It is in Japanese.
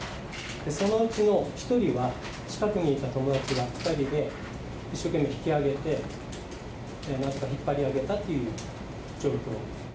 そのうちの１人は、近くにいた友達が２人で、一生懸命引き上げて、なんとか引っ張り上げたという状況ですね。